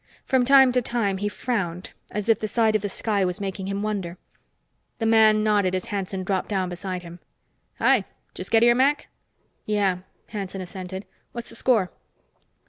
From time to time, he frowned, as if the sight of the sky was making him wonder. The man nodded as Hanson dropped down beside him. "Hi. Just get here, Mac?" "Yeah," Hanson assented. "What's the score?"